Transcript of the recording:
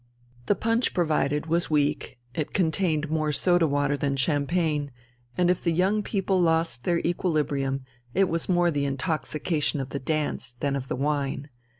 The punch provided was weak, it contained more soda water than champagne, and if the young people lost their equilibrium it was more the intoxication of the dance than of the wine.